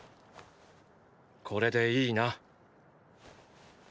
これでいいな？